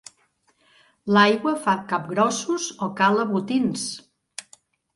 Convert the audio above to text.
L'aigua fa capgrossos o cala botins.